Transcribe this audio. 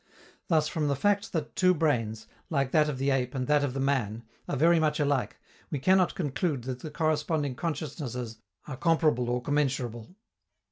Thus, from the fact that two brains, like that of the ape and that of the man, are very much alike, we cannot conclude that the corresponding consciousnesses are comparable or commensurable.